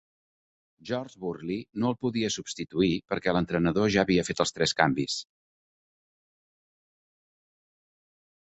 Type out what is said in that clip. George Burley no el podia substituir perquè l'entrenador ja havia fet els tres canvis.